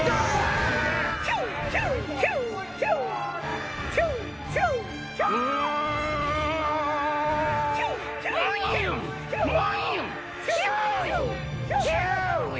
うわ！